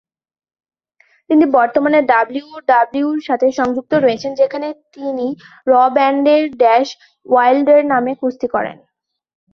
তিনি বর্তমানে ডাব্লিউডাব্লিউইর সাথে সংযুক্ত রয়েছেন, যেখানে তিনি র ব্র্যান্ডে ড্যাশ ওয়াইল্ডার নামে কুস্তি করেন।